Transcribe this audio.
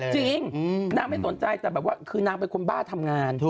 จริงนางไม่สนใจแต่แบบว่าคือนางเป็นคนบ้าทำงาน